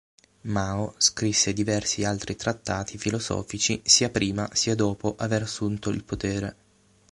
Mao scrisse diversi altri trattati filosofici sia prima sia dopo aver assunto il potere.